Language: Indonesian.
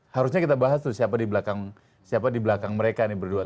harusnya kita bahas tuh siapa di belakang mereka nih berdua